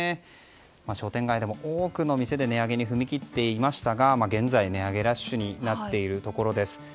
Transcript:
商店街でも多くの店で値上げに踏み切っていましたが現在、値上げラッシュになっているところです。